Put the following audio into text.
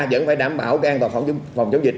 vẫn phải đảm bảo an toàn phòng chống dịch